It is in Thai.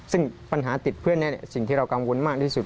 ซึ่งปัญหาติดเพื่อนสิ่งที่เรากังวลมากที่สุด